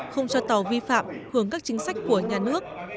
không cho tàu vi phạm hưởng các chính sách của nhà nước